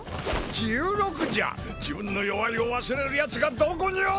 １６じゃ自分の齢を忘れるヤツがどこにおる！